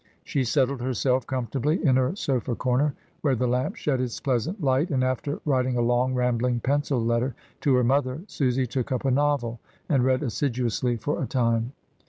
She settled herself comfortably in her sofa comer, where the lamp shed its pleasant light. 288 MRS. DYMOND. and after writing a long, rambling pencil letter to her mother, Susy took up a novel and read assidu ously for a time.